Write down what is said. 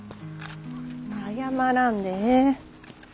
謝らんでええ。